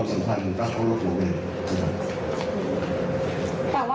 ก็บ้านหลังเดิมบ้านทุกคนเยาว์มีความสุขอยู่แล้วแล้วบ้านหลังใหม่ล่ะค่ะ